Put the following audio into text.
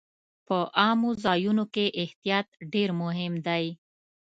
په عامو ځایونو کې احتیاط ډېر مهم دی.